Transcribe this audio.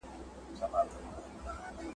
جهاني له دې مالته مرور دي قسمتونه ..